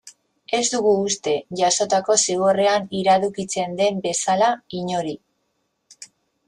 Ez dugu uste, jasotako zigorrean iradokitzen den bezala, inori.